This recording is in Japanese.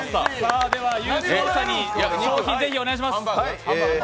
優勝者に賞品、是非お願いします！